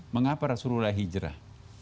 mengapa rasulullah hijrah